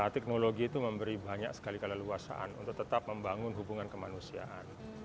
teknologi itu memberi banyak sekali keleluasaan untuk tetap membangun hubungan kemanusiaan